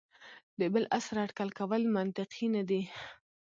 د بل عصر اټکل کول منطقي نه دي.